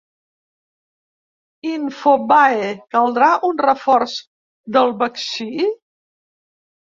Infobae: Caldrà un reforç del vaccí?